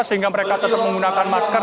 sehingga mereka tetap menggunakan masker